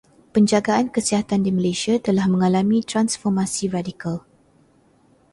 Penjagaan kesihatan di Malaysia telah mengalami transformasi radikal.